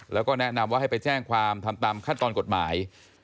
แล้วก็แนะนำว่าให้ไปแจ้งความทำตามขั้นตอนกฎหมาย